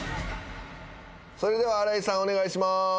それでは新井さんお願いします。